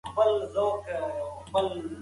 هلک د انا لمن په خپلو وړوکو منگولو کې نیولې وه.